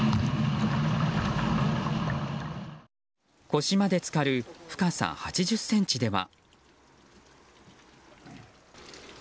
腰まで浸かる深さ８０ｃｍでは。